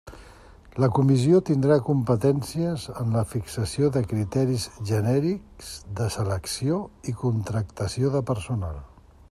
La Comissió tindrà competències en la fixació de criteris genèrics de selecció i contractació de personal.